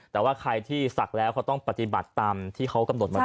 แต่ว่าใครที่ศักดิ์แล้วเขาต้องปฏิบัติตามที่เขากำหนดมาก่อน